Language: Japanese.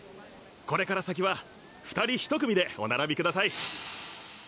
これから先は二人一組でお並びください